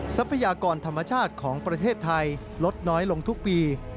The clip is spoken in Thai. ทรัพยากรธรรมชาติของประเทศไทยลดน้อยลงทุกปี